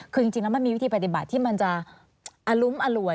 คือจริงแล้วมันมีวิธีปฏิบัติที่มันจะอรุ้มอร่วย